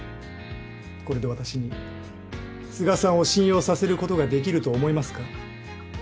これで私に都賀さんを信用させることができると思いますか？